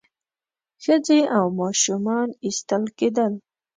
ښځې او ماشومان ایستل کېدل.